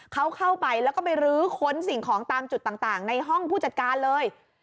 เขาเข้าไปแล้วก็ไปรื้อค้นสิ่งของตามจุดต่างในห้องผู้จัดการเลย